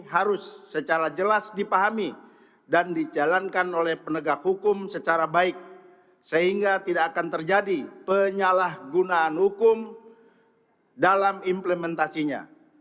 harus secara jelas dipahami dan dijalankan oleh penegak hukum secara baik sehingga tidak akan terjadi penyalahgunaan hukum dalam implementasinya